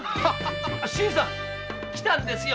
新さんきたんですよ